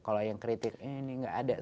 kalau yang kritik ini nggak ada